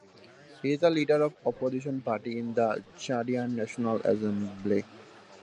He is the leader of opposition party in the Chadian national assembly.